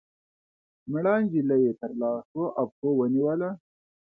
مړه نجلۍ يې تر لاسو او پښو ونيوله